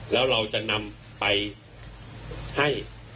แล้วเราจะนำไปให้